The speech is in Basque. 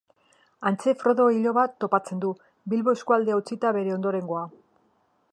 Hantxe Frodo iloba topatzen du, Bilbo eskualdea utzita bere ondorengoa.